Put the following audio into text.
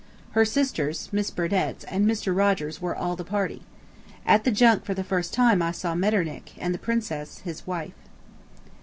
Her sisters (Miss Burdetts) and Mr. Rogers were all the party. At the junk for the first time I saw Metternich and the Princess, his wife.